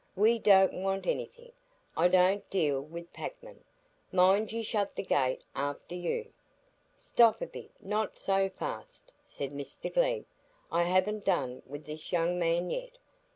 "We don't want anything. I don't deal wi' packmen. Mind you shut the gate after you." "Stop a bit; not so fast," said Mr Glegg; "I haven't done with this young man yet.